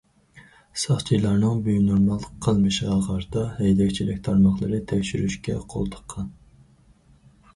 ساقچىلارنىڭ بىنورمال قىلمىشىغا قارىتا، ھەيدەكچىلىك تارماقلىرى تەكشۈرۈشكە قول تىققان.